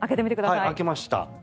開けました。